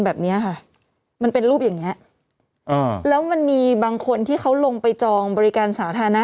แบบนี้ค่ะมันเป็นรูปแล้วแล้ววันนี้บางคนที่เขาลงไปจองบริการสาธารณะ